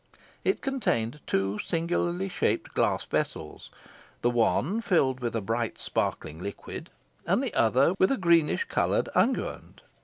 It contained two singularly shaped glass vessels, the one filled with a bright sparkling liquid, and the other with a greenish coloured unguent.